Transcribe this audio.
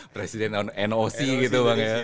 presiden noc gitu bang ya